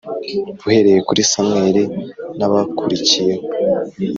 uhereye kuri Samweli n abakurikiyeho